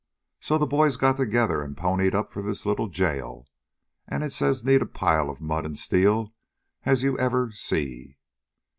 So the boys got together and ponied up for this little jail, and it's as neat a pile of mud and steel as ever you see.